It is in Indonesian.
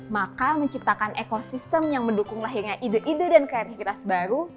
maka menciptakan ekosistem yang mendukung lahirnya ide ide dan kreativitas baru